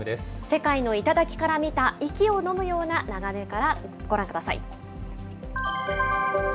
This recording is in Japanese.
世界の頂から見た息をのむような眺めからご覧ください。